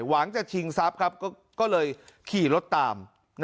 หวังจะชิงทรัพย์ก็เลยขี่รถตาม